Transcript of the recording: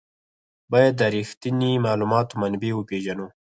باید د رښتیني معلوماتو منبع وپېژنو.